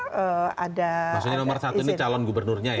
maksudnya nomor satu ini calon gubernurnya ya